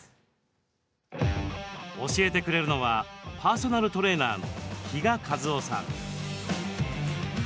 教えてくれるのはパーソナルトレーナーの比嘉一雄さん。